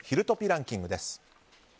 ランキングです。